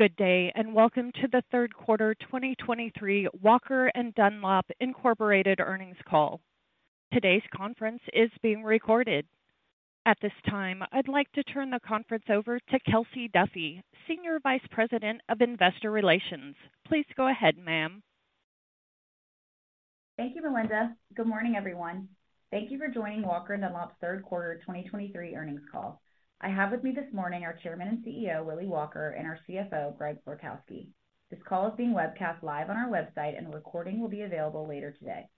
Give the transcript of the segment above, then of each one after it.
Good day, and Welcome to the Q3 2023 Walker & Dunlop Incorporated Earnings Call. Today's conference is being recorded. At this time, I'd like to turn the conference over to Kelsey Duffey, Senior Vice President of Investor Relations. Please go ahead, ma'am. Thank you, Melinda. Good morning, everyone. Thank you for joining Walker & Dunlop's Q3 2023 Earnings Call. I have with me this morning our Chairman and CEO, Willy Walker, and our CFO, Greg Florkowski. This call is being webcast live on our website, and a recording will be available later today.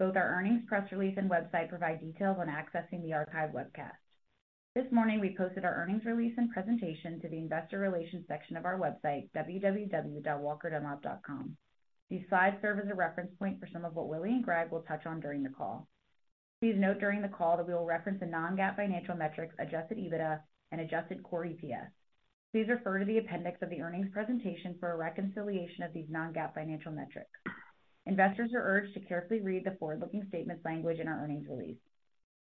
Both our earnings, press release, and website provide details on accessing the archived webcast. This morning, we posted our earnings release and presentation to the investor relations section of our website, www.walkerdunlop.com. These slides serve as a reference point for some of what Willy and Greg will touch on during the call. Please note during the call that we will reference the non-GAAP financial metrics, Adjusted EBITDA and Adjusted Core EPS. Please refer to the appendix of the earnings presentation for a reconciliation of these non-GAAP financial metrics. Investors are urged to carefully read the forward-looking statement language in our earnings release.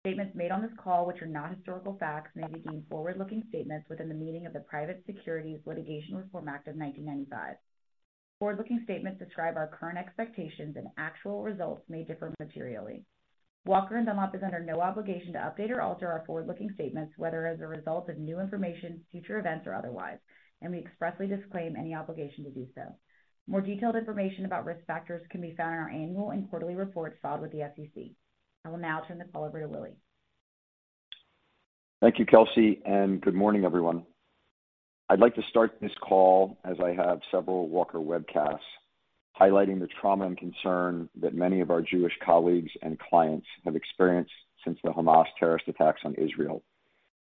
Statements made on this call, which are not historical facts, may be deemed forward-looking statements within the meaning of the Private Securities Litigation Reform Act of 1995. Forward-looking statements describe our current expectations, and actual results may differ materially. Walker & Dunlop is under no obligation to update or alter our forward-looking statements, whether as a result of new information, future events, or otherwise, and we expressly disclaim any obligation to do so. More detailed information about risk factors can be found in our annual and quarterly reports filed with the SEC. I will now turn the call over to Willy. Thank you, Kelsey, and good morning, everyone. I'd like to start this call, as I have several Walker Webcasts, highlighting the trauma and concern that many of our Jewish colleagues and clients have experienced since the Hamas terrorist attacks on Israel.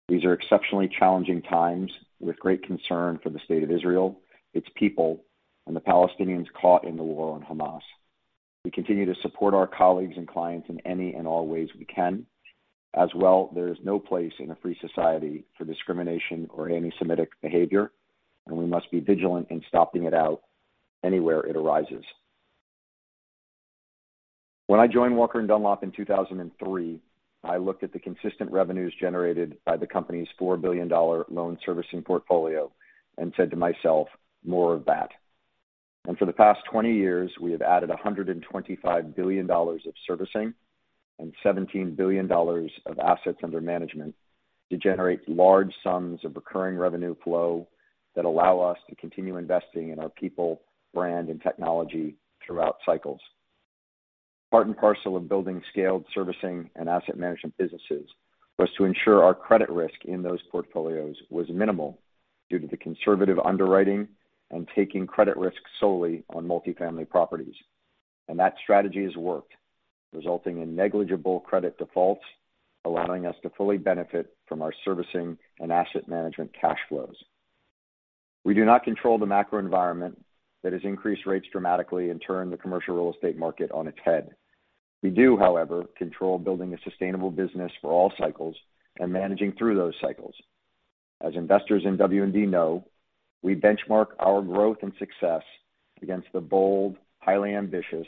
These are exceptionally challenging times with great concern for the State of Israel, its people, and the Palestinians caught in the war on Hamas. We continue to support our colleagues and clients in any and all ways we can. As well, there is no place in a free society for discrimination or antisemitic behavior, and we must be vigilant in stopping it out anywhere it arises. When I joined Walker & Dunlop in 2003, I looked at the consistent revenues generated by the company's $4 billion loan servicing portfolio and said to myself, "More of that." For the past 20 years, we have added $125 billion of servicing and $17 billion of assets under management to generate large sums of recurring revenue flow that allow us to continue investing in our people, brand, and technology throughout cycles. Part and parcel of building scaled servicing and asset management businesses was to ensure our credit risk in those portfolios was minimal due to the conservative underwriting and taking credit risk solely on multifamily properties. That strategy has worked, resulting in negligible credit defaults, allowing us to fully benefit from our servicing and asset management cash flows. We do not control the macro environment that has increased rates dramatically and turned the commercial real estate market on its head. We do, however, control building a sustainable business for all cycles and managing through those cycles. As investors in WD know, we benchmark our growth and success against the bold, highly ambitious,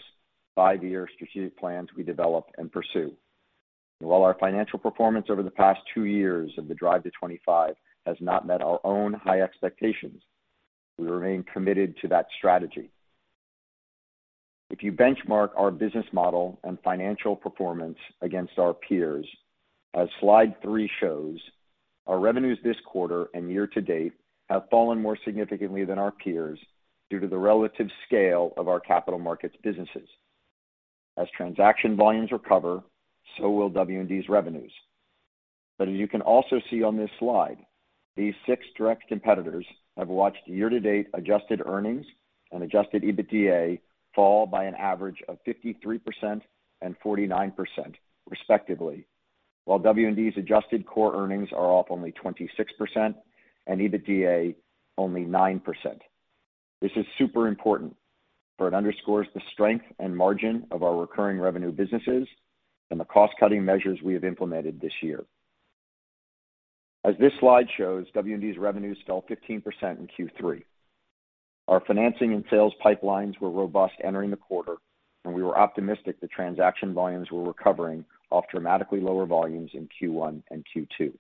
5-year strategic plans we develop and pursue. While our financial performance over the past 2 years of the Drive to 2025 has not met our own high expectations, we remain committed to that strategy. If you benchmark our business model and financial performance against our peers, as Slide 3 shows, our revenues this quarter and year to date have fallen more significantly than our peers due to the relative scale of our capital markets businesses. As transaction volumes recover, so will WD's revenues. But as you can also see on this Slide, these six direct competitors have watched year-to-date adjusted earnings and Adjusted EBITDA fall by an average of 53% and 49%, respectively, while WD's adjusted core earnings are off only 26% and EBITDA only 9%. This is super important, for it underscores the strength and margin of our recurring revenue businesses and the cost-cutting measures we have implemented this year. As this Slide shows, WD's revenues fell 15% in Q3. Our financing and sales pipelines were robust entering the quarter, and we were optimistic that transaction volumes were recovering off dramatically lower volumes in Q1 and Q2.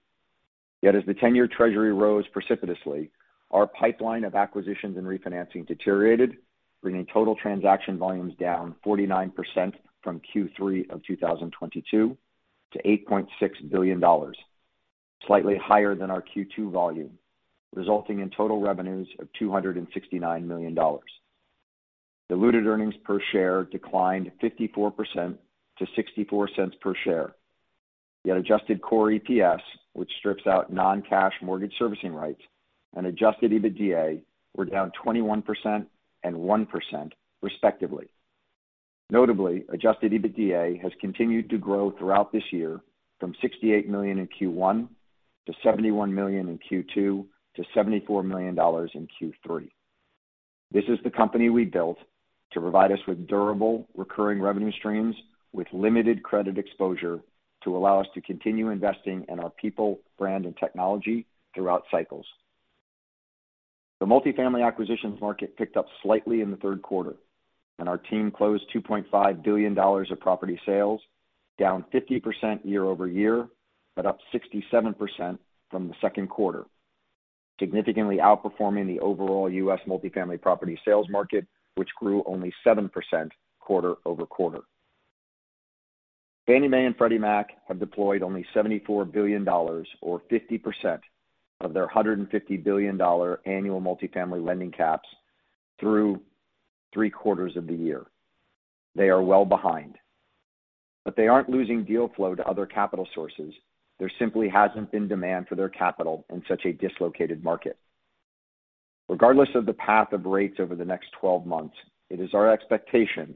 Yet as the 10-year Treasury rose precipitously, our pipeline of acquisitions and refinancing deteriorated, bringing total transaction volumes down 49% from Q3 of 2022 to $8.6 billion, slightly higher than our Q2 volume, resulting in total revenues of $269 million. Diluted earnings per share declined 54% to $0.64 per share, yet Adjusted Core EPS, which strips out non-cash mortgage servicing rights and Adjusted EBITDA, were down 21% and 1%, respectively. Notably, Adjusted EBITDA has continued to grow throughout this year from $68 million in Q1 to $71 million in Q2 to $74 million in Q3. This is the company we built to provide us with durable, recurring revenue streams with limited credit exposure to allow us to continue investing in our people, brand, and technology throughout cycles. The multifamily acquisitions market picked up slightly in the Q3, and our team closed $2.5 billion of property sales, down 50% year-over-year, but up 67% from the Q2, significantly outperforming the overall U.S. multifamily property sales market, which grew only 7% quarter-over-quarter. Fannie Mae and Freddie Mac have deployed only $74 billion, or 50%, of their $150 billion annual multifamily lending caps through three quarters of the year. They are well behind, but they aren't losing deal flow to other capital sources. There simply hasn't been demand for their capital in such a dislocated market. Regardless of the path of rates over the next 12 months, it is our expectation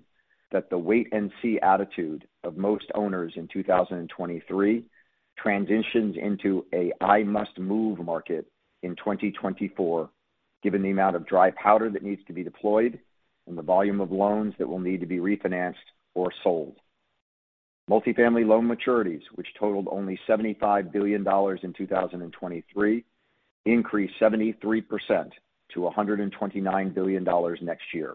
that the wait-and-see attitude of most owners in 2023 transitions into a I-must-move market in 2024, given the amount of dry powder that needs to be deployed and the volume of loans that will need to be refinanced or sold. Multifamily loan maturities, which totaled only $75 billion in 2023, increased 73% to $129 billion next year.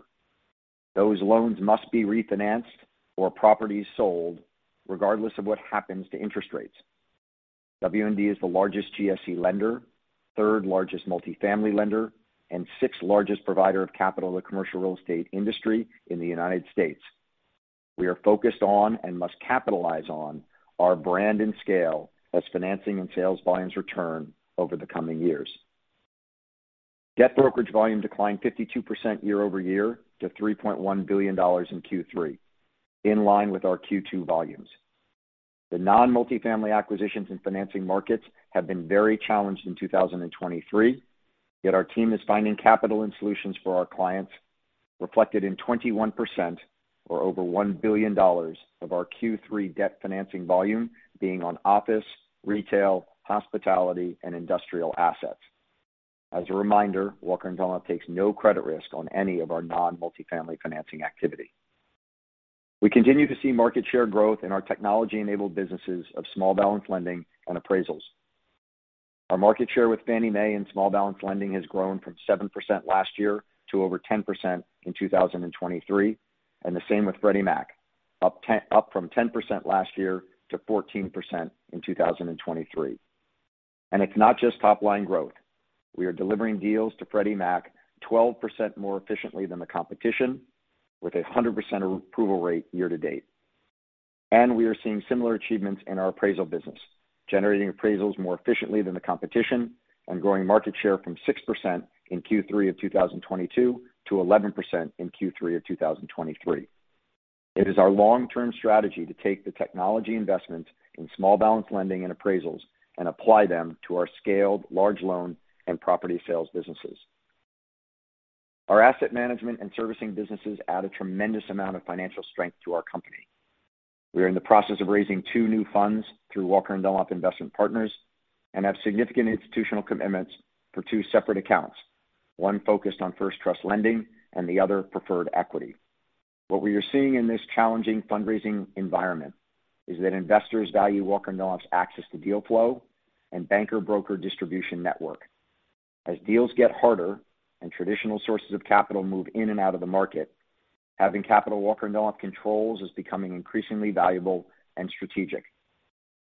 Those loans must be refinanced or properties sold, regardless of what happens to interest rates. WD is the largest GSE lender, third-largest multifamily lender, and sixth-largest provider of capital to the commercial real estate industry in the United States. We are focused on, and must capitalize on, our brand and scale as financing and sales volumes return over the coming years. Debt brokerage volume declined 52% year-over-year to $3.1 billion in Q3, in line with our Q2 volumes. The non-multifamily acquisitions and financing markets have been very challenged in 2023, yet our team is finding capital and solutions for our clients, reflected in 21%, or over $1 billion, of our Q3 debt financing volume being on office, retail, hospitality, and industrial assets. As a reminder, Walker & Dunlop takes no credit risk on any of our non-multifamily financing activity. We continue to see market share growth in our technology-enabled businesses of small balance lending and appraisals. Our market share with Fannie Mae in small balance lending has grown from 7% last year to over 10% in 2023, and the same with Freddie Mac, up from 10% last year to 14% in 2023. It's not just top-line growth. We are delivering deals to Freddie Mac 12% more efficiently than the competition, with a 100% approval rate year to date. We are seeing similar achievements in our appraisal business, generating appraisals more efficiently than the competition and growing market share from 6% in Q3 of 2022 to 11% in Q3 of 2023. It is our long-term strategy to take the technology investments in small balance lending and appraisals and apply them to our scaled large loan and property sales businesses. Our asset management and servicing businesses add a tremendous amount of financial strength to our company. We are in the process of raising two new funds through Walker & Dunlop Investment Partners, and have significant institutional commitments for two separate accounts, one focused on first trust lending and the other preferred equity. What we are seeing in this challenging fundraising environment is that investors value Walker & Dunlop's access to deal flow and banker broker distribution network. As deals get harder and traditional sources of capital move in and out of the market, having capital Walker & Dunlop controls is becoming increasingly valuable and strategic.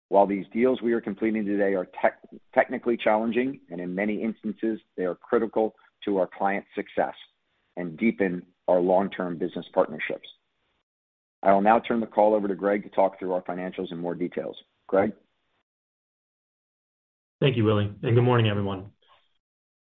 While these deals we are completing today are technically challenging, and in many instances, they are critical to our clients' success and deepen our long-term business partnerships. I will now turn the call over to Greg to talk through our financials in more details. Greg? Thank you, Willy, and good morning, everyone.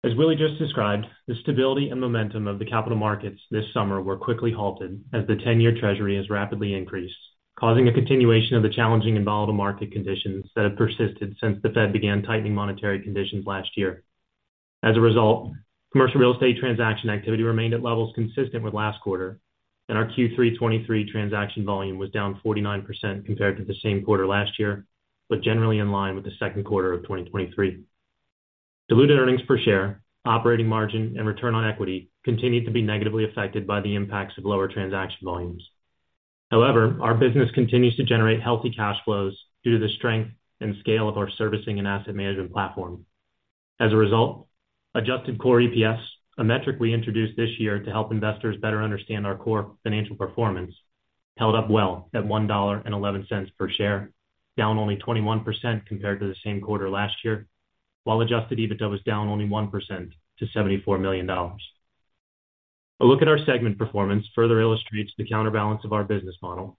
As Willy just described, the stability and momentum of the capital markets this summer were quickly halted as the 10-year Treasury has rapidly increased, causing a continuation of the challenging and volatile market conditions that have persisted since the Fed began tightening monetary conditions last year. As a result, commercial real estate transaction activity remained at levels consistent with last quarter, and our Q3 2023 transaction volume was down 49% compared to the same quarter last year, but generally in line with the Q2 of 2023. Diluted earnings per share, operating margin, and return on equity continued to be negatively affected by the impacts of lower transaction volumes. However, our business continues to generate healthy cash flows due to the strength and scale of our servicing and asset management platform. As a result, adjusted core EPS, a metric we introduced this year to help investors better understand our core financial performance, held up well at $1.11 per share, down only 21% compared to the same quarter last year, while Adjusted EBITDA was down only 1% to $74 million. A look at our segment performance further illustrates the counterbalance of our business model.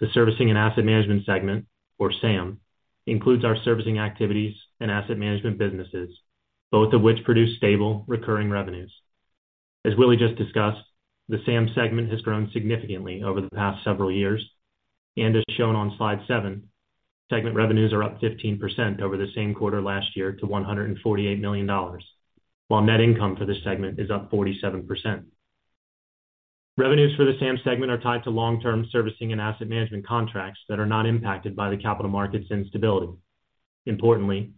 The servicing and asset management segment, or SAM, includes our servicing activities and asset management businesses, both of which produce stable, recurring revenues. As Willy just discussed, the SAM segment has grown significantly over the past several years, and as shown on Slide 7, segment revenues are up 15% over the same quarter last year to $148 million, while net income for this segment is up 47%. Revenues for the SAM segment are tied to long-term servicing and asset management contracts that are not impacted by the capital markets instability. Importantly,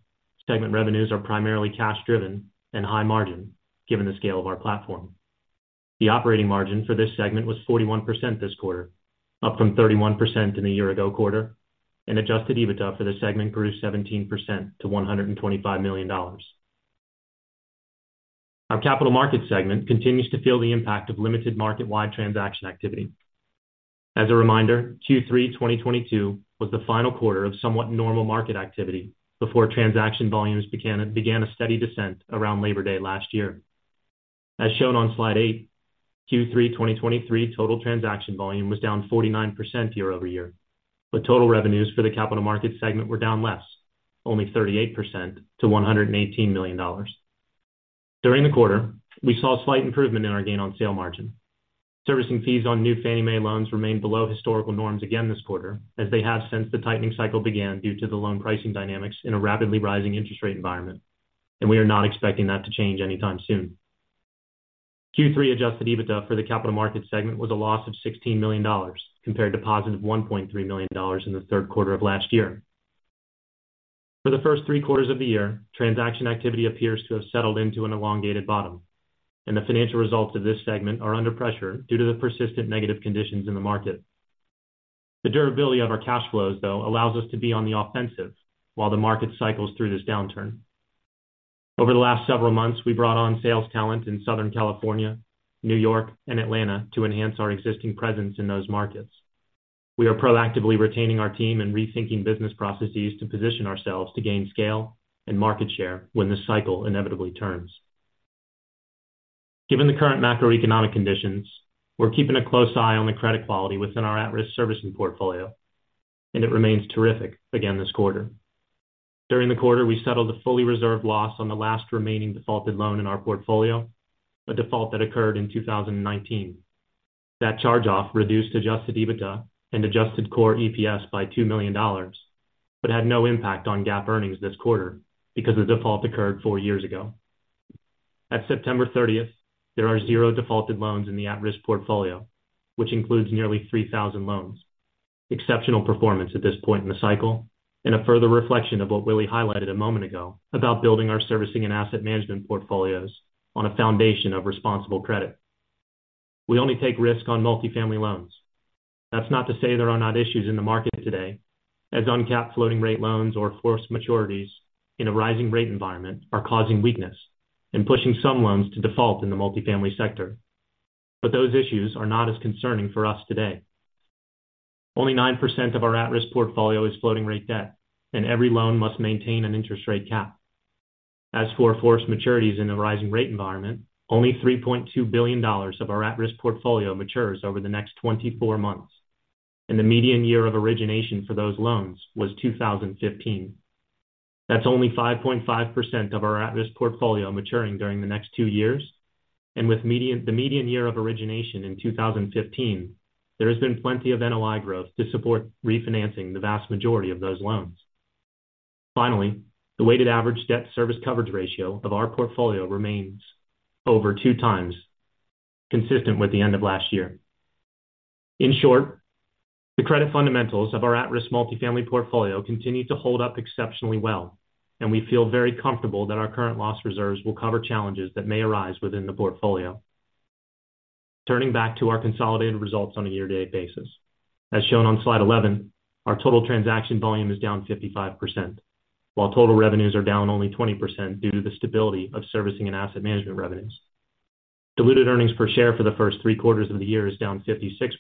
segment revenues are primarily cash-driven and high margin, given the scale of our platform. The operating margin for this segment was 41% this quarter, up from 31% in the year-ago quarter, and Adjusted EBITDA for the segment grew 17% to $125 million. Our capital markets segment continues to feel the impact of limited market-wide transaction activity. As a reminder, Q3 2022 was the final quarter of somewhat normal market activity before transaction volumes began a steady descent around Labor Day last year. As shown on Slide 8, Q3 2023 total transaction volume was down 49% year-over-year, but total revenues for the capital markets segment were down less, only 38% to $118 million. During the quarter, we saw a slight improvement in our gain on sale margin. Servicing fees on new Fannie Mae loans remained below historical norms again this quarter, as they have since the tightening cycle began, due to the loan pricing dynamics in a rapidly rising interest rate environment, and we are not expecting that to change anytime soon. Q3 Adjusted EBITDA for the capital markets segment was a loss of $16 million, compared to positive $1.3 million in the Q3 of last year. For the first three quarters of the year, transaction activity appears to have settled into an elongated bottom, and the financial results of this segment are under pressure due to the persistent negative conditions in the market. The durability of our cash flows, though, allows us to be on the offensive while the market cycles through this downturn. Over the last several months, we brought on sales talent in Southern California, New York, and Atlanta to enhance our existing presence in those markets. We are proactively retaining our team and rethinking business processes to position ourselves to gain scale and market share when this cycle inevitably turns. Given the current macroeconomic conditions, we're keeping a close eye on the credit quality within our at-risk servicing portfolio, and it remains terrific again this quarter. During the quarter, we settled a fully reserved loss on the last remaining defaulted loan in our portfolio, a default that occurred in 2019. That charge-off reduced Adjusted EBITDA and Adjusted Core EPS by $2 million, but had no impact on GAAP earnings this quarter because the default occurred four years ago. At September 30th, there are zero defaulted loans in the at-risk portfolio, which includes nearly 3,000 loans. Exceptional performance at this point in the cycle and a further reflection of what Willy highlighted a moment ago about building our servicing and asset management portfolios on a foundation of responsible credit. We only take risk on multifamily loans. That's not to say there are not issues in the market today, as uncapped floating rate loans or forced maturities in a rising rate environment are causing weakness and pushing some loans to default in the multifamily sector. But those issues are not as concerning for us today. Only 9% of our at-risk portfolio is floating rate debt, and every loan must maintain an interest rate cap. As for forced maturities in a rising rate environment, only $3.2 billion of our at-risk portfolio matures over the next 24 months, and the median year of origination for those loans was 2015. That's only 5.5% of our at-risk portfolio maturing during the next 2 years, and with the median year of origination in 2015, there has been plenty of NOI growth to support refinancing the vast majority of those loans. Finally, the weighted average debt service coverage ratio of our portfolio remains over 2 times, consistent with the end of last year. In short, the credit fundamentals of our at-risk multifamily portfolio continue to hold up exceptionally well, and we feel very comfortable that our current loss reserves will cover challenges that may arise within the portfolio. Turning back to our consolidated results on a year-to-date basis. As shown on Slide 11, our total transaction volume is down 55%, while total revenues are down only 20% due to the stability of servicing and asset management revenues. Diluted earnings per share for the first three quarters of the year is down 56%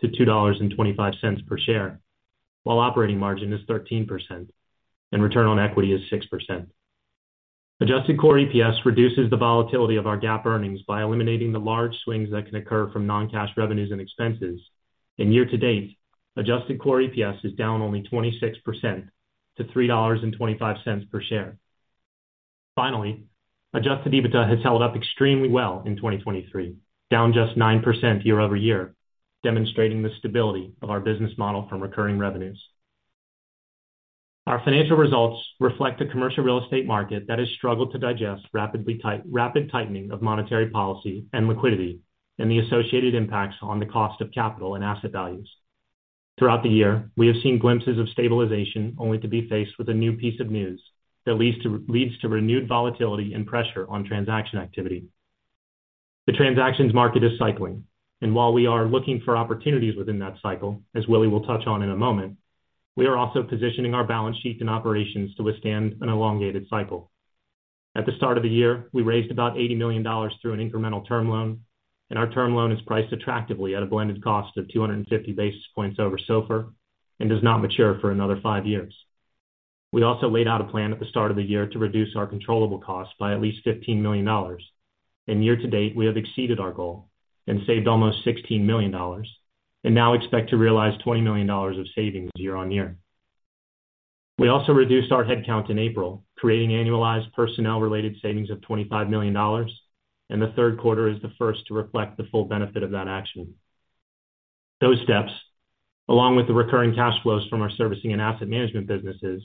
to $2.25 per share, while operating margin is 13% and return on equity is 6%. Adjusted Core EPS reduces the volatility of our GAAP earnings by eliminating the large swings that can occur from non-cash revenues and expenses, and year to date, Adjusted Core EPS is down only 26% to $3.25 per share. Finally, Adjusted EBITDA has held up extremely well in 2023, down just 9% year-over-year, demonstrating the stability of our business model from recurring revenues. Our financial results reflect a commercial real estate market that has struggled to digest rapid tightening of monetary policy and liquidity and the associated impacts on the cost of capital and asset values. Throughout the year, we have seen glimpses of stabilization, only to be faced with a new piece of news that leads to renewed volatility and pressure on transaction activity. The transactions market is cycling, and while we are looking for opportunities within that cycle, as Willy will touch on in a moment, we are also positioning our balance sheet and operations to withstand an elongated cycle. At the start of the year, we raised about $80 million through an incremental term loan, and our term loan is priced attractively at a blended cost of 250 basis points over SOFR and does not mature for another 5 years. We also laid out a plan at the start of the year to reduce our controllable costs by at least $15 million, and year to date, we have exceeded our goal and saved almost $16 million, and now expect to realize $20 million of savings year-over-year. We also reduced our headcount in April, creating annualized personnel-related savings of $25 million, and the Q3 is the first to reflect the full benefit of that action. Those steps, along with the recurring cash flows from our servicing and asset management businesses,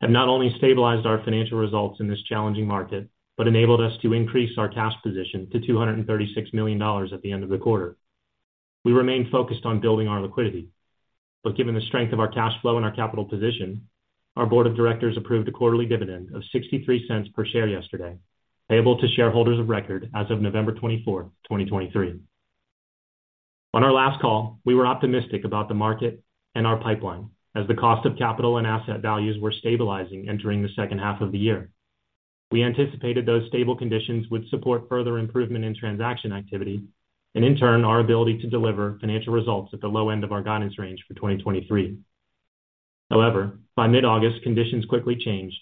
have not only stabilized our financial results in this challenging market, but enabled us to increase our cash position to $236 million at the end of the quarter. We remain focused on building our liquidity, but given the strength of our cash flow and our capital position, our board of directors approved a quarterly dividend of $0.63 per share yesterday, payable to shareholders of record as of November 24, 2023. On our last call, we were optimistic about the market and our pipeline as the cost of capital and asset values were stabilizing entering the second half of the year. We anticipated those stable conditions would support further improvement in transaction activity and, in turn, our ability to deliver financial results at the low end of our guidance range for 2023. However, by mid-August, conditions quickly changed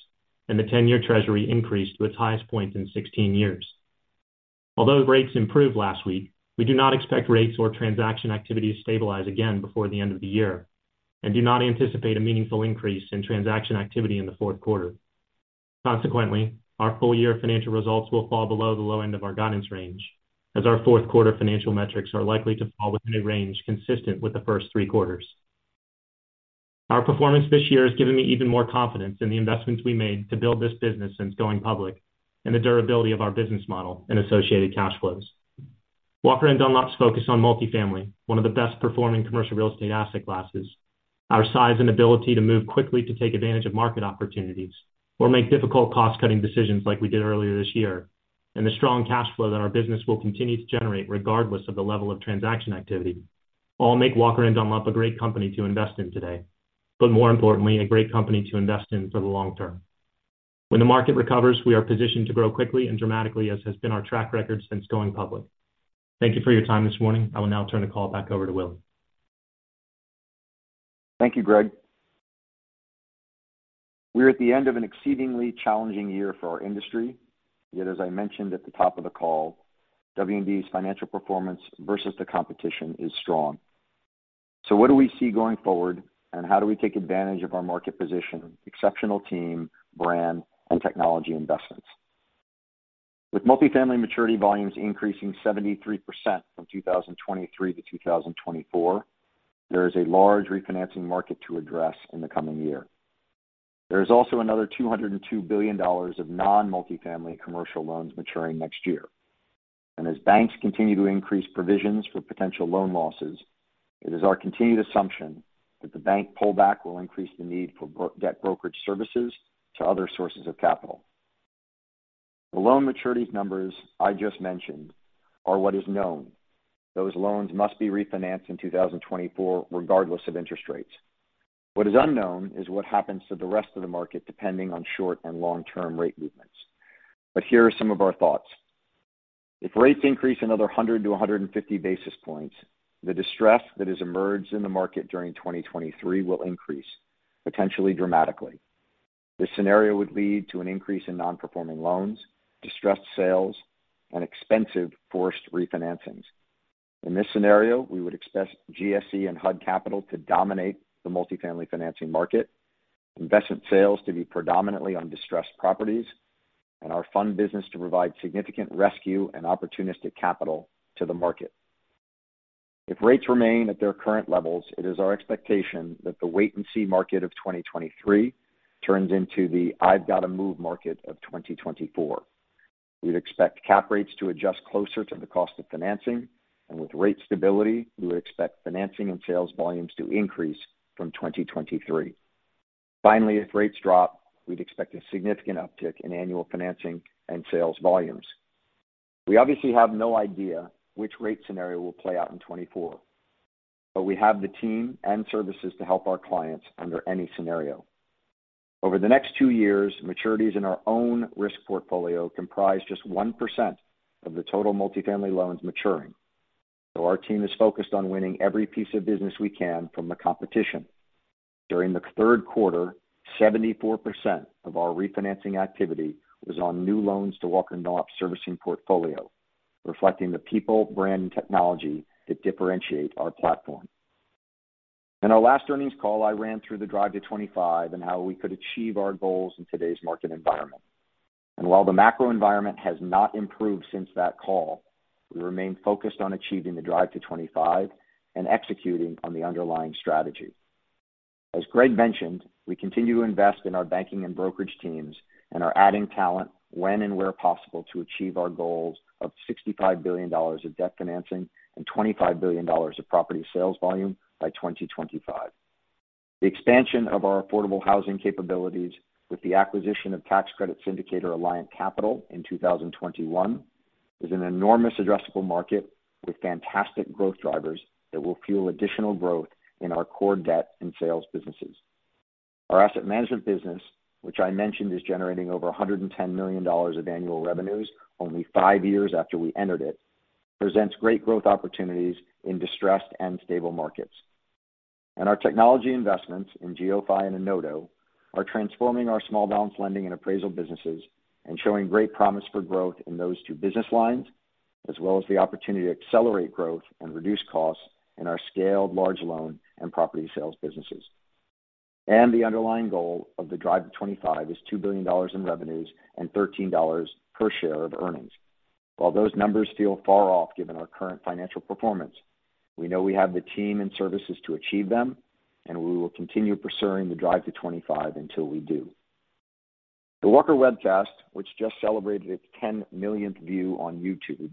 and the 10-year Treasury increased to its highest point in 16 years. Although rates improved last week, we do not expect rates or transaction activity to stabilize again before the end of the year and do not anticipate a meaningful increase in transaction activity in the Q4. Consequently, our full-year financial results will fall below the low end of our guidance range, as our Q4 financial metrics are likely to fall within a range consistent with the first three quarters. Our performance this year has given me even more confidence in the investments we made to build this business since going public and the durability of our business model and associated cash flows. Walker & Dunlop's focus on multifamily, one of the best performing commercial real estate asset classes. Our size and ability to move quickly to take advantage of market opportunities or make difficult cost-cutting decisions like we did earlier this year, and the strong cash flow that our business will continue to generate, regardless of the level of transaction activity, all make Walker & Dunlop a great company to invest in today, but more importantly, a great company to invest in for the long term. When the market recovers, we are positioned to grow quickly and dramatically, as has been our track record since going public. Thank you for your time this morning. I will now turn the call back over to Willy. Thank you, Greg. We're at the end of an exceedingly challenging year for our industry, yet, as I mentioned at the top of the call, WD's financial performance versus the competition is strong. So what do we see going forward, and how do we take advantage of our market position, exceptional team, brand, and technology investments? With multifamily maturity volumes increasing 73% from 2023 to 2024, there is a large refinancing market to address in the coming year. There is also another $202 billion of non-multifamily commercial loans maturing next year. And as banks continue to increase provisions for potential loan losses, it is our continued assumption that the bank pullback will increase the need for debt brokerage services to other sources of capital. The loan maturities numbers I just mentioned are what is known. Those loans must be refinanced in 2024, regardless of interest rates. What is unknown is what happens to the rest of the market, depending on short and long-term rate movements. But here are some of our thoughts: If rates increase another 100-150 basis points, the distress that has emerged in the market during 2023 will increase, potentially dramatically. This scenario would lead to an increase in non-performing loans, distressed sales and expensive forced refinancings. In this scenario, we would expect GSE and HUD capital to dominate the multifamily financing market, investment sales to be predominantly on distressed properties, and our fund business to provide significant rescue and opportunistic capital to the market. If rates remain at their current levels, it is our expectation that the wait-and-see market of 2023 turns into the I've got to move market of 2024. We'd expect cap rates to adjust closer to the cost of financing, and with rate stability, we would expect financing and sales volumes to increase from 2023. Finally, if rates drop, we'd expect a significant uptick in annual financing and sales volumes. We obviously have no idea which rate scenario will play out in 2024, but we have the team and services to help our clients under any scenario. Over the next two years, maturities in our own risk portfolio comprise just 1% of the total multifamily loans maturing. So our team is focused on winning every piece of business we can from the competition. During the Q3, 74% of our refinancing activity was on new loans to Walker & Dunlop servicing portfolio, reflecting the people, brand, and technology that differentiate our platform. In our last earnings call, I ran through the Drive 2025 and how we could achieve our goals in today's market environment. While the macro environment has not improved since that call, we remain focused on achieving the Drive 2025 and executing on the underlying strategy. As Greg mentioned, we continue to invest in our banking and brokerage teams and are adding talent when and where possible to achieve our goals of $65 billion of debt financing and $25 billion of property sales volume by 2025. The expansion of our affordable housing capabilities with the acquisition of tax credit syndicator Alliant Capital in 2021 is an enormous addressable market with fantastic growth drivers that will fuel additional growth in our core debt and sales businesses. Our asset management business, which I mentioned, is generating over $110 million of annual revenues only 5 years after we entered it, presents great growth opportunities in distressed and stable markets. Our technology investments in GeoPhy and Enodo are transforming our small balance lending and appraisal businesses and showing great promise for growth in those two business lines, as well as the opportunity to accelerate growth and reduce costs in our scaled large loan and property sales businesses. The underlying goal of the Drive to 2025 is $2 billion in revenues and $13 per share of earnings. While those numbers feel far off, given our current financial performance, we know we have the team and services to achieve them, and we will continue pursuing the Drive to 2025 until we do. The Walker Webcast, which just celebrated its 10 millionth view on YouTube,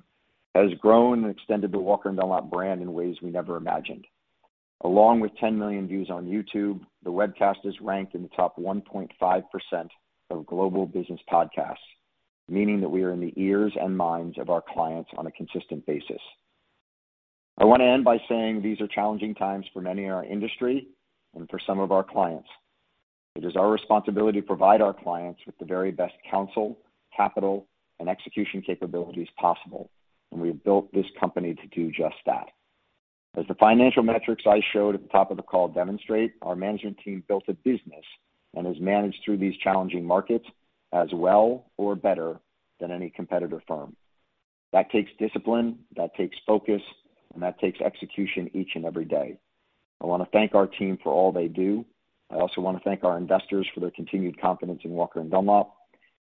has grown and extended the Walker & Dunlop brand in ways we never imagined. Along with 10 million views on YouTube, the webcast is ranked in the top 1.5% of global business podcasts, meaning that we are in the ears and minds of our clients on a consistent basis. I want to end by saying these are challenging times for many in our industry and for some of our clients. It is our responsibility to provide our clients with the very best counsel, capital, and execution capabilities possible, and we have built this company to do just that. As the financial metrics I showed at the top of the call demonstrate, our management team built a business and has managed through these challenging markets as well or better than any competitor firm. That takes discipline, that takes focus, and that takes execution each and every day. I want to thank our team for all they do. I also want to thank our investors for their continued confidence in Walker & Dunlop,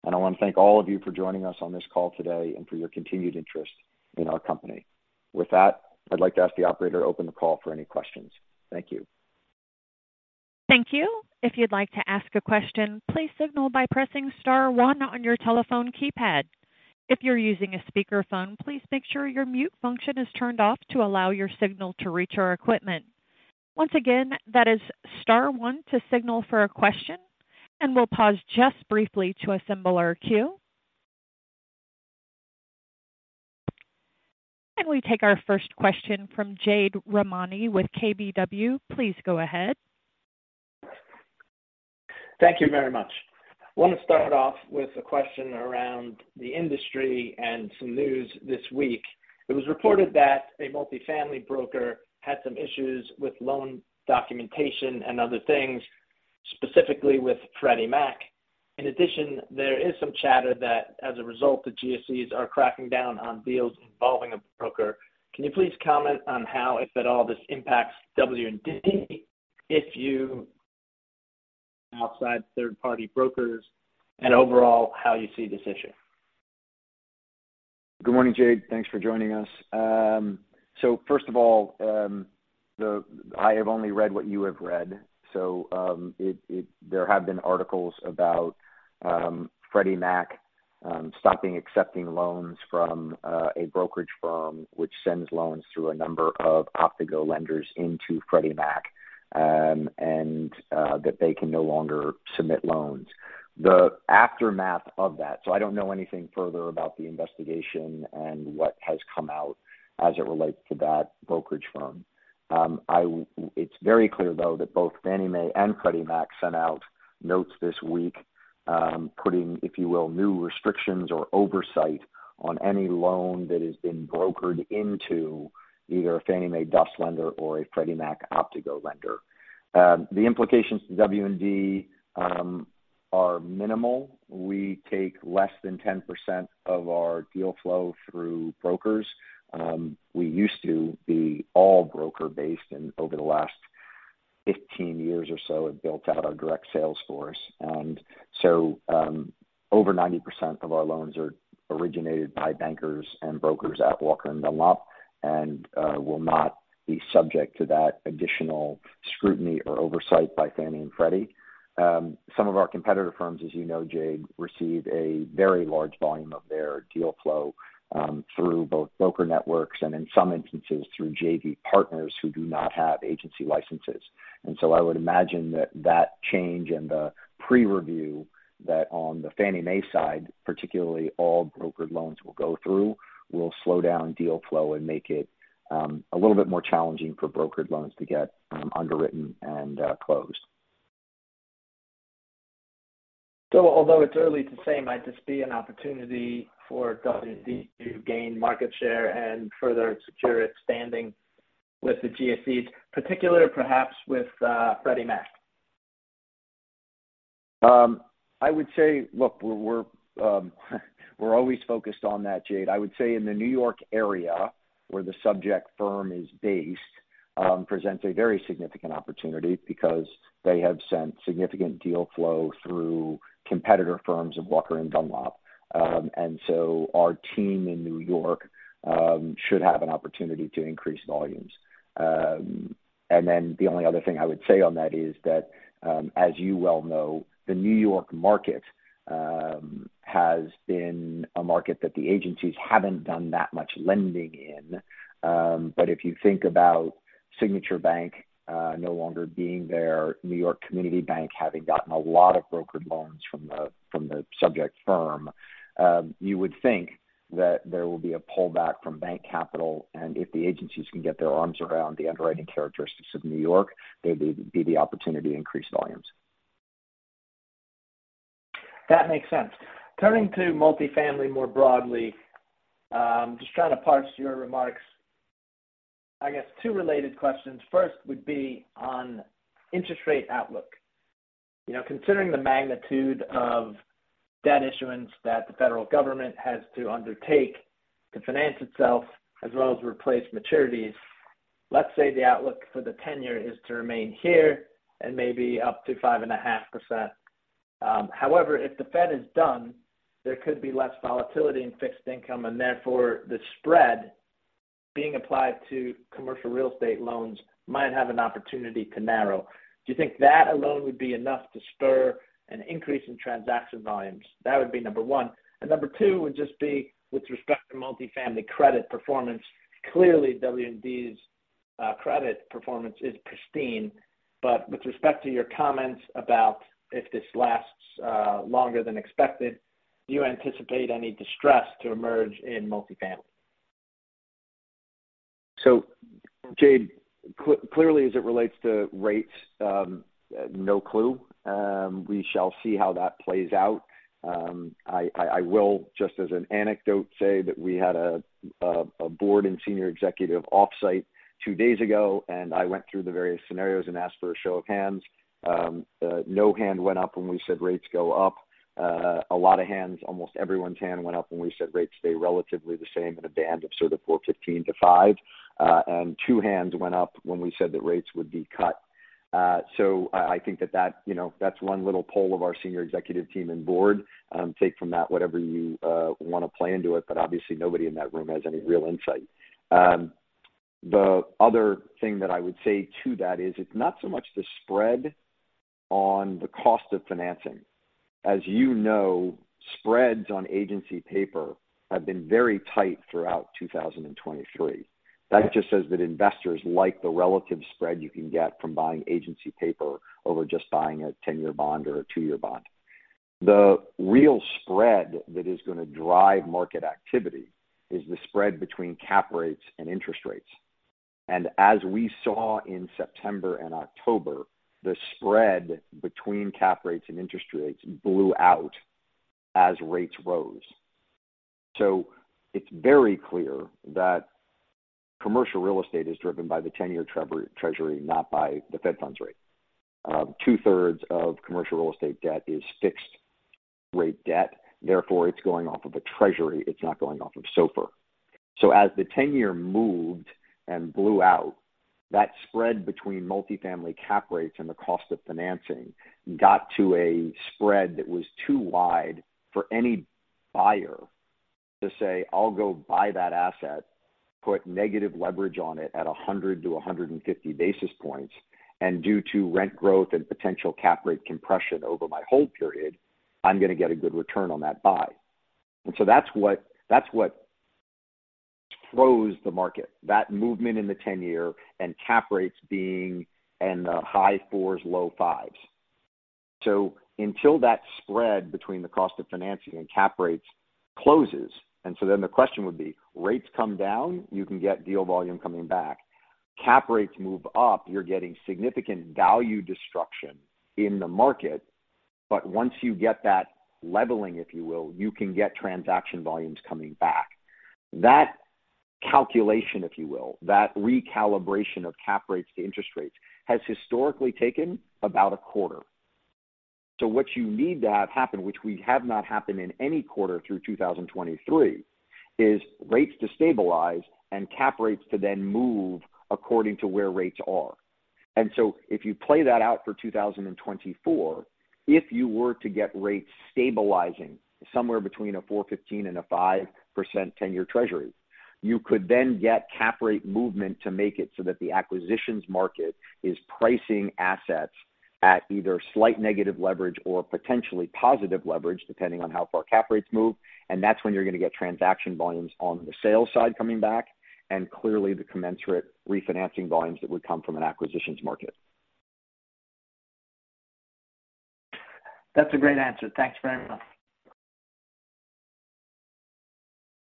and I want to thank all of you for joining us on this call today and for your continued interest in our company. With that, I'd like to ask the operator to open the call for any questions. Thank you. Thank you. If you'd like to ask a question, please signal by pressing star one on your telephone keypad. If you're using a speakerphone, please make sure your mute function is turned off to allow your signal to reach our equipment. Once again, that is star one to signal for a question, and we'll pause just briefly to assemble our queue. We take our first question from Jade Rahmani with KBW. Please go ahead. Thank you very much. I want to start off with a question around the industry and some news this week. It was reported that a multifamily broker had some issues with loan documentation and other things, specifically with Freddie Mac. In addition, there is some chatter that as a result, the GSEs are cracking down on deals involving a broker. Can you please comment on how, if at all, this impacts WD, if you use outside third-party brokers and overall, how you see this issue? Good morning, Jade. Thanks for joining us. I have only read what you have read, so there have been articles about Freddie Mac stopping accepting loans from a brokerage firm, which sends loans through a number of Optigo lenders into Freddie Mac, and that they can no longer submit loans. The aftermath of that, so I don't know anything further about the investigation and what has come out as it relates to that brokerage firm. It's very clear, though, that both Fannie Mae and Freddie Mac sent out notes this week, putting, if you will, new restrictions or oversight on any loan that has been brokered into either a Fannie Mae DUS lender or a Freddie Mac Optigo lender. The implications to WD are minimal. We take less than 10% of our deal flow through brokers. We used to be all broker based, and over the last 15 years or so, have built out our direct sales force. And so, over 90% of our loans are originated by bankers and brokers at Walker & Dunlop and will not be subject to that additional scrutiny or oversight by Fannie and Freddie. Some of our competitor firms, as you know, Jade, receive a very large volume of their deal flow through both broker networks and in some instances through JV partners who do not have agency licenses. And so I would imagine that, that change and the pre-review, that on the Fannie Mae side, particularly all brokered loans will go through, will slow down deal flow and make it a little bit more challenging for brokered loans to get underwritten and closed. So although it's early to say, might this be an opportunity for WD to gain market share and further secure its standing with the GSEs, particularly, perhaps with Freddie Mac? I would say, look, we're always focused on that, Jade. I would say in the New York area, where the subject firm is based, presents a very significant opportunity because they have sent significant deal flow through competitor firms of Walker & Dunlop. And so our team in New York should have an opportunity to increase volumes. And then the only other thing I would say on that is that, as you well know, the New York market has been a market that the agencies haven't done that much lending in. If you think about Signature Bank no longer being there, New York Community Bank having gotten a lot of brokered loans from the subject firm, you would think that there will be a pullback from bank capital, and if the agencies can get their arms around the underwriting characteristics of New York, there'd be the opportunity to increase volumes. That makes sense. Turning to multifamily more broadly, just trying to parse your remarks, I guess two related questions. First, would be on interest rate outlook. You know, considering the magnitude of debt issuance that the federal government has to undertake to finance itself, as well as replace maturities, let's say the outlook for the ten-year is to remain here and maybe up to 5.5%. However, if the Fed is done, there could be less volatility in fixed income, and therefore, the spread being applied to commercial real estate loans might have an opportunity to narrow. Do you think that alone would be enough to spur an increase in transaction volumes? That would be number one. And number two would just be with respect to multifamily credit performance. Clearly, WD's credit performance is pristine. But with respect to your comments about if this lasts longer than expected, do you anticipate any distress to emerge in multifamily? So, Jade, clearly, as it relates to rates, no clue. We shall see how that plays out. I will, just as an anecdote, say that we had a board and senior executive off-site two days ago, and I went through the various scenarios and asked for a show of hands. No hand went up when we said rates go up. A lot of hands, almost everyone's hand went up when we said rates stay relatively the same in a band of sort of 4.15-5, and two hands went up when we said that rates would be cut. So I think that, you know, that's one little poll of our senior executive team and board. Take from that whatever you want to play into it, but obviously nobody in that room has any real insight. The other thing that I would say to that is, it's not so much the spread on the cost of financing. As you know, spreads on agency paper have been very tight throughout 2023. That just says that investors like the relative spread you can get from buying agency paper over just buying a 10-year bond or a 2-year bond. The real spread that is going to drive market activity is the spread between cap rates and interest rates. And as we saw in September and October, the spread between cap rates and interest rates blew out as rates rose. So it's very clear that commercial real estate is driven by the 10-year Treasury, not by the Fed funds rate. Two-thirds of commercial real estate debt is fixed rate debt, therefore, it's going off of a treasury, it's not going off of SOFR. So as the 10-year moved and blew out, that spread between multifamily cap rates and the cost of financing got to a spread that was too wide for any buyer to say, "I'll go buy that asset, put negative leverage on it at 100 to 150 basis points, and due to rent growth and potential cap rate compression over my hold period, I'm going to get a good return on that buy." And so that's what, that's what froze the market, that movement in the 10-year and cap rates being in the high 4s, low 5s. So until that spread between the cost of financing and cap rates closes, and so then the question would be: rates come down, you can get deal volume coming back. Cap rates move up, you're getting significant value destruction in the market, but once you get that leveling, if you will, you can get transaction volumes coming back. That calculation, if you will, that recalibration of cap rates to interest rates, has historically taken about a quarter. So what you need to have happen, which we have not happened in any quarter through 2023, is rates to stabilize and cap rates to then move according to where rates are. And so if you play that out for 2024, if you were to get rates stabilizing somewhere between a 4. 15 and a 5% Ten-Year Treasury, you could then get cap rate movement to make it so that the acquisitions market is pricing assets at either slight negative leverage or potentially positive leverage, depending on how far cap rates move. And that's when you're going to get transaction volumes on the sales side coming back, and clearly the commensurate refinancing volumes that would come from an acquisitions market. That's a great answer. Thanks very much.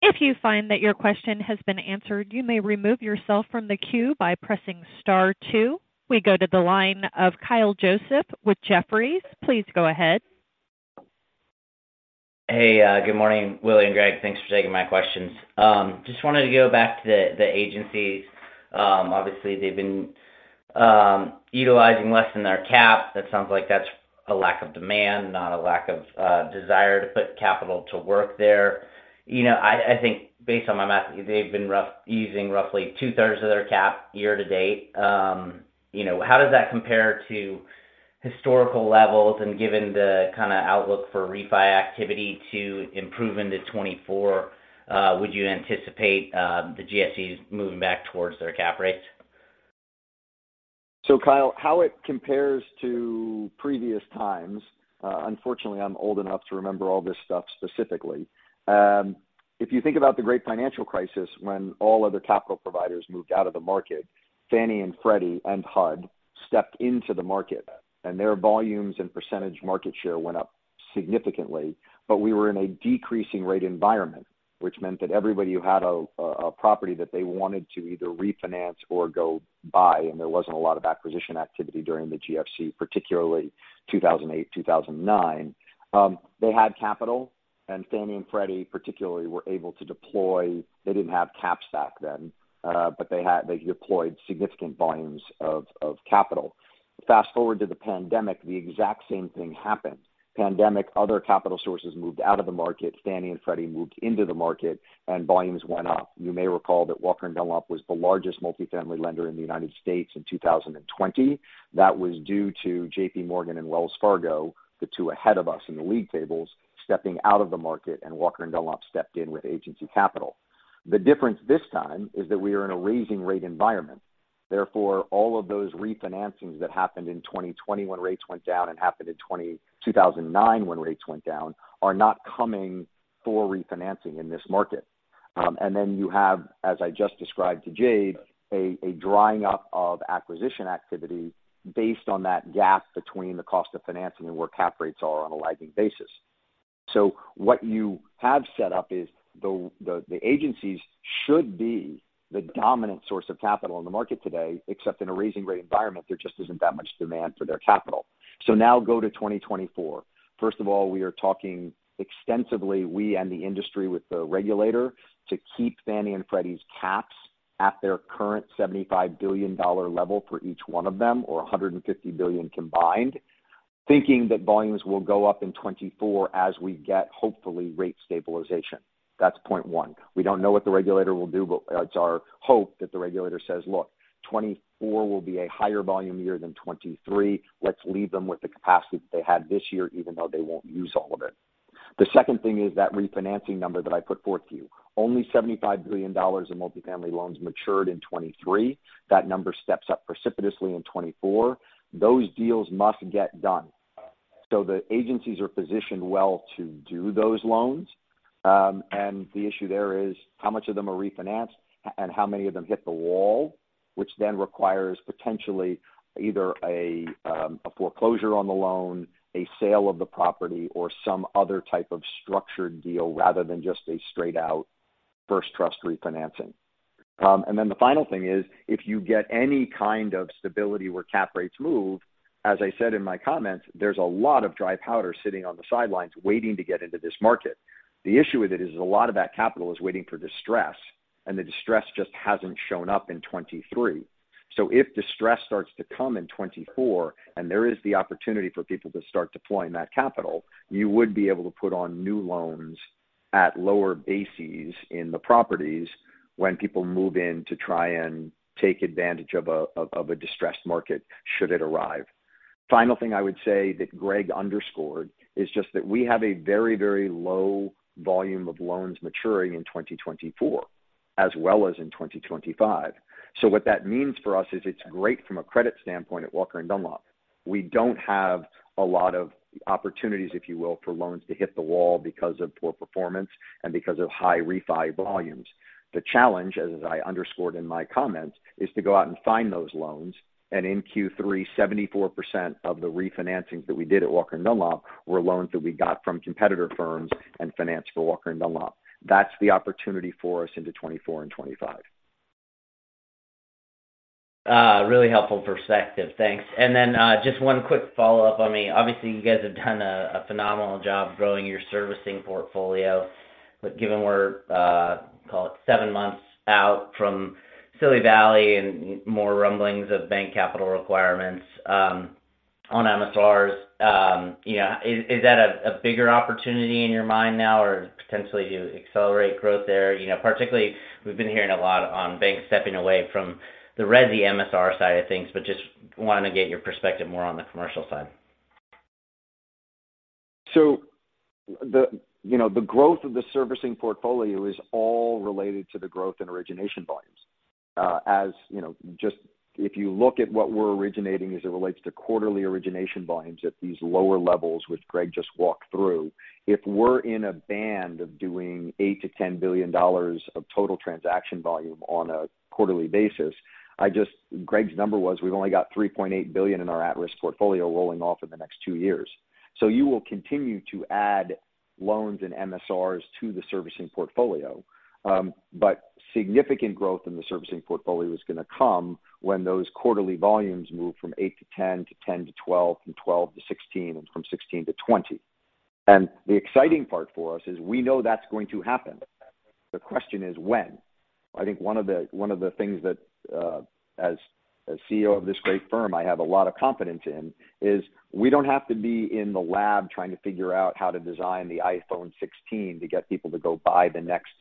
If you find that your question has been answered, you may remove yourself from the queue by pressing star two. We go to the line of Kyle Joseph with Jefferies. Please go ahead. Hey, good morning, Willy and Greg. Thanks for taking my questions. Just wanted to go back to the agencies. Obviously, they've been utilizing less than their cap. That sounds like that's a lack of demand, not a lack of desire to put capital to work there. You know, I think based on my math, they've been using roughly two-thirds of their cap year to date. You know, how does that compare to historical levels? And given the kind of outlook for refi activity to improve into 2024, would you anticipate the GSEs moving back towards their cap rates? So, Kyle, how it compares to previous times, unfortunately, I'm old enough to remember all this stuff specifically. If you think about the Great Financial Crisis, when all other capital providers moved out of the market, Fannie and Freddie and HUD stepped into the market, and their volumes and percentage market share went up significantly. But we were in a decreasing rate environment, which meant that everybody who had a property that they wanted to either refinance or go buy, and there wasn't a lot of acquisition activity during the GFC, particularly 2008, 2009, they had capital, and Fannie and Freddie, particularly, were able to deploy. They didn't have caps back then, but they had. They deployed significant volumes of capital. Fast forward to the pandemic, the exact same thing happened. Pandemic, other capital sources moved out of the market, Fannie and Freddie moved into the market, and volumes went up. You may recall that Walker & Dunlop was the largest multifamily lender in the United States in 2020. That was due to JPMorgan and Wells Fargo, the two ahead of us in the league tables, stepping out of the market, and Walker & Dunlop stepped in with agency capital. The difference this time is that we are in a raising rate environment. Therefore, all of those refinancings that happened in 2020 when rates went down and happened in 2009 when rates went down, are not coming for refinancing in this market. And then you have, as I just described to Jade, a drying up of acquisition activity based on that gap between the cost of financing and where cap rates are on a lagging basis. So what you have set up is the agencies should be the dominant source of capital in the market today, except in a rising rate environment, there just isn't that much demand for their capital. So now go to 2024. First of all, we are talking extensively, we and the industry, with the regulator to keep Fannie and Freddie's caps at their current $75 billion level for each one of them, or $150 billion combined, thinking that volumes will go up in 2024 as we get, hopefully, rate stabilization. That's point one. We don't know what the regulator will do, but it's our hope that the regulator says: Look, 2024 will be a higher volume year than 2023. Let's leave them with the capacity that they had this year, even though they won't use all of it. The second thing is that refinancing number that I put forth to you. Only $75 billion of multifamily loans matured in 2023. That number steps up precipitously in 2024. Those deals must get done. So the agencies are positioned well to do those loans. And the issue there is how much of them are refinanced and how many of them hit the wall, which then requires potentially either a foreclosure on the loan, a sale of the property, or some other type of structured deal, rather than just a straight out first trust refinancing. And then the final thing is, if you get any kind of stability where cap rates move, as I said in my comments, there's a lot of dry powder sitting on the sidelines waiting to get into this market. The issue with it is a lot of that capital is waiting for distress, and the distress just hasn't shown up in 2023. So if distress starts to come in 2024, and there is the opportunity for people to start deploying that capital, you would be able to put on new loans at lower bases in the properties when people move in to try and take advantage of a distressed market, should it arrive. Final thing I would say that Greg underscored is just that we have a very, very low volume of loans maturing in 2024, as well as in 2025.So what that means for us is it's great from a credit standpoint at Walker & Dunlop. We don't have a lot of opportunities, if you will, for loans to hit the wall because of poor performance and because of high refi volumes. The challenge, as I underscored in my comments, is to go out and find those loans, and in Q3, 74% of the refinancings that we did at Walker & Dunlop were loans that we got from competitor firms and financed for Walker & Dunlop. That's the opportunity for us into 2024 and 2025. Really helpful perspective. Thanks. And then, just one quick follow-up on me. Obviously, you guys have done a phenomenal job growing your servicing portfolio, but given we're call it seven months out from Silicon Valley and more rumblings of bank capital requirements on MSRs, you know, is that a bigger opportunity in your mind now or potentially to accelerate growth there? You know, particularly, we've been hearing a lot on banks stepping away from the resi MSR side of things, but just wanted to get your perspective more on the commercial side. So, you know, the growth of the servicing portfolio is all related to the growth in origination volumes. As you know, just if you look at what we're originating as it relates to quarterly origination volumes at these lower levels, which Greg just walked through, if we're in a band of doing $8-$10 billion of total transaction volume on a quarterly basis, Greg's number was we've only got $3.8 billion in our at-risk portfolio rolling off in the next two years. So you will continue to add loans and MSRs to the servicing portfolio. But significant growth in the servicing portfolio is going to come when those quarterly volumes move from $8-$10 billion, to $10-$12 billion, from $12-$16 billion, and from $16-$20 billion. And the exciting part for us is we know that's going to happen. The question is when? I think one of the, one of the things that, as CEO of this great firm, I have a lot of confidence in, is we don't have to be in the lab trying to figure out how to design the iPhone 16 to get people to go buy the next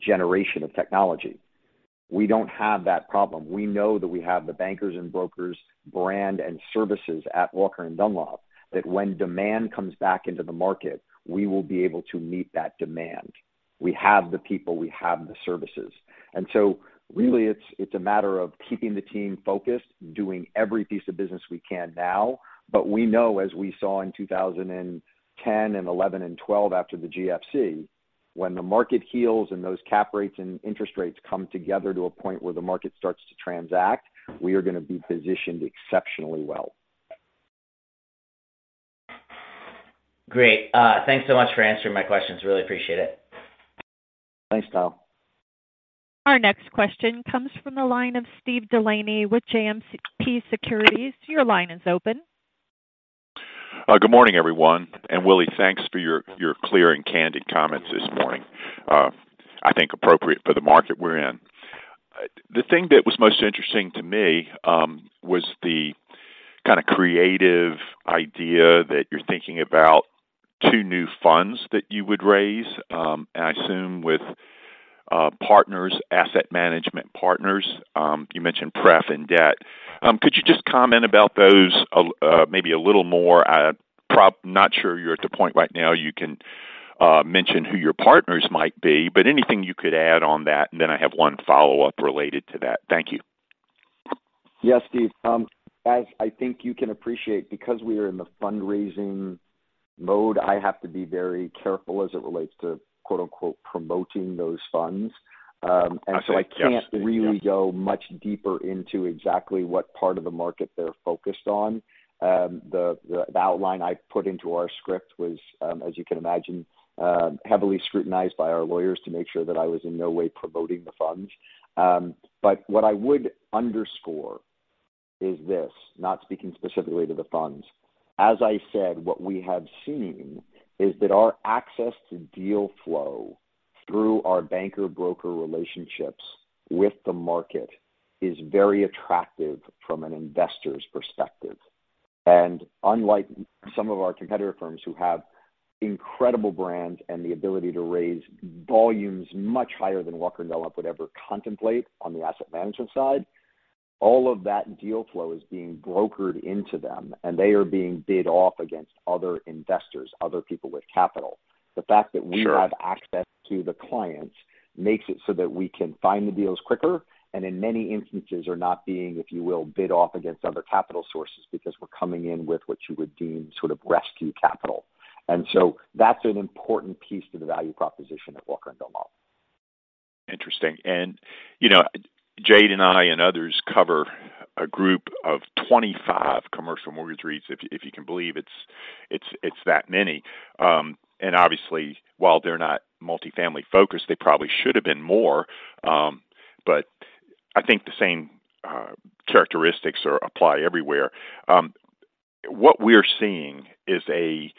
generation of technology. We don't have that problem. We know that we have the bankers and brokers brand and services at Walker & Dunlop, that when demand comes back into the market, we will be able to meet that demand. We have the people, we have the services. So really, it's a matter of keeping the team focused, doing every piece of business we can now, but we know, as we saw in 2010, 2011, and 2012 after the GFC, when the market heals and those cap rates and interest rates come together to a point where the market starts to transact, we are going to be positioned exceptionally well. Great. Thanks so much for answering my questions. Really appreciate it. Thanks, Kyle. Our next question comes from the line of Steve DeLaney with JMP Securities. Your line is open. Good morning, everyone. Willy, thanks for your clear and candid comments this morning. I think appropriate for the market we're in. The thing that was most interesting to me was the kind of creative idea that you're thinking about 2 new funds that you would raise, and I assume with partners, asset management partners. You mentioned pref and debt. Could you just comment about those, maybe a little more? Not sure you're at the point right now you can mention who your partners might be, but anything you could add on that, and then I have 1 follow-up related to that. Thank you.... Yes, Steve. As I think you can appreciate, because we are in the fundraising mode, I have to be very careful as it relates to quote-unquote, promoting those funds. And so I can't really go much deeper into exactly what part of the market they're focused on. The outline I put into our script was, as you can imagine, heavily scrutinized by our lawyers to make sure that I was in no way promoting the funds. But what I would underscore is this, not speaking specifically to the funds. As I said, what we have seen is that our access to deal flow through our banker-broker relationships with the market is very attractive from an investor's perspective. Unlike some of our competitor firms who have incredible brands and the ability to raise volumes much higher than Walker & Dunlop would ever contemplate on the asset management side, all of that deal flow is being brokered into them, and they are being bid off against other investors, other people with capital. The fact that we have access to the clients makes it so that we can find the deals quicker, and in many instances are not being, if you will, bid off against other capital sources because we're coming in with what you would deem sort of rescue capital. And so that's an important piece to the value proposition at Walker & Dunlop. Interesting. You know, Jade and I and others cover a group of 25 commercial mortgage REITs, if you can believe it's that many. And obviously, while they're not multifamily focused, they probably should have been more. But I think the same characteristics apply everywhere. What we're seeing is a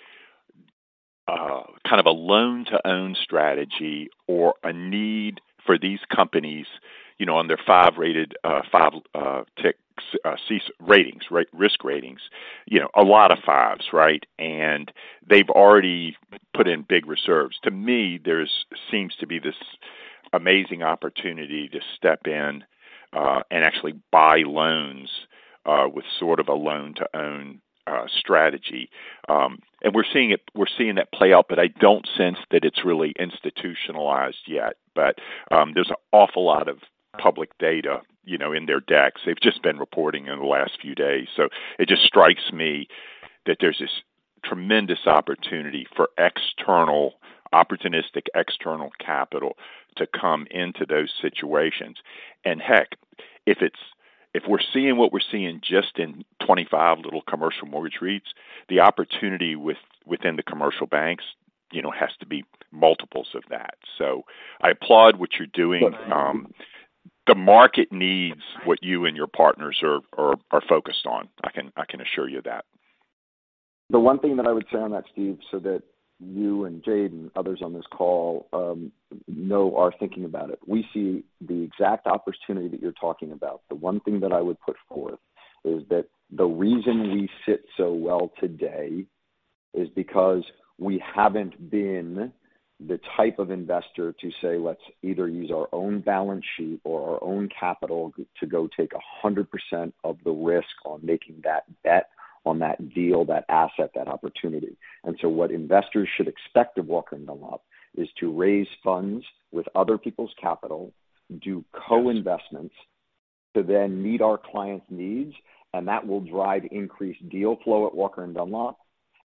kind of a loan-to-own strategy or a need for these companies, you know, on their five-rated, five-tick CE ratings, right, risk ratings, you know, a lot of fives, right? And they've already put in big reserves. To me, there seems to be this amazing opportunity to step in and actually buy loans with sort of a loan-to-own strategy. And we're seeing it—we're seeing that play out, but I don't sense that it's really institutionalized yet. But, there's an awful lot of public data, you know, in their decks. They've just been reporting in the last few days. So it just strikes me that there's this tremendous opportunity for external opportunistic external capital to come into those situations. And heck, if we're seeing what we're seeing just in 25 little commercial mortgage REITs, the opportunity within the commercial banks, you know, has to be multiples of that. So I applaud what you're doing. The market needs what you and your partners are focused on. I can assure you that. The one thing that I would say on that, Steve, so that you and Jade and others on this call know are thinking about it. We see the exact opportunity that you're talking about. The one thing that I would put forth is that the reason we sit so well today is because we haven't been the type of investor to say, let's either use our own balance sheet or our own capital to go take 100% of the risk on making that bet on that deal, that asset, that opportunity. So what investors should expect of Walker & Dunlop is to raise funds with other people's capital, do co-investments, to then meet our clients' needs, and that will drive increased deal flow at Walker & Dunlop,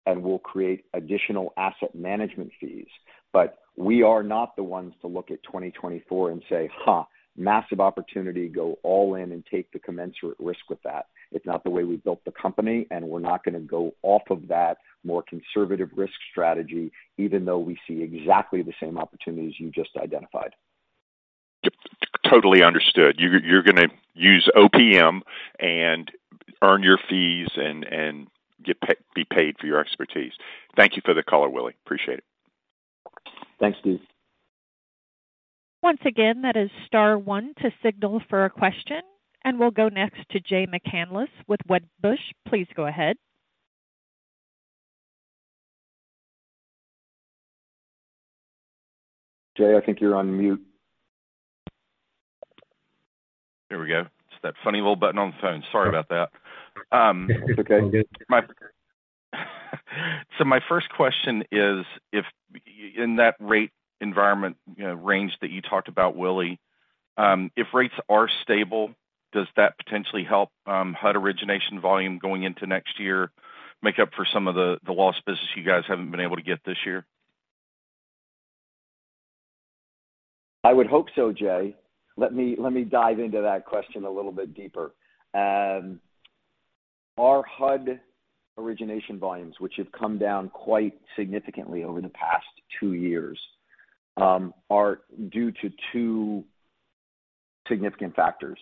and will create additional asset management fees. But we are not the ones to look at 2024 and say, "Ha, massive opportunity, go all in and take the commensurate risk with that." It's not the way we built the company, and we're not going to go off of that more conservative risk strategy, even though we see exactly the same opportunities you just identified. Totally understood. You're gonna use OPM and earn your fees and get paid, be paid for your expertise. Thank you for the call, Willy. Appreciate it. Thanks, Steve. Once again, that is star one to signal for a question, and we'll go next to Jay McCanless with Wedbush. Please go ahead. Jay, I think you're on mute. There we go. It's that funny little button on the phone. Sorry about that. It's okay. So my first question is: If in that rate environment, you know, range that you talked about, Willy, if rates are stable, does that potentially help, HUD origination volume going into next year make up for some of the lost business you guys haven't been able to get this year? I would hope so, Jay. Let me dive into that question a little bit deeper. Our HUD origination volumes, which have come down quite significantly over the past two years, are due to two significant factors.